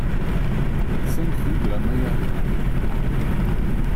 cinq rue de Maillarenea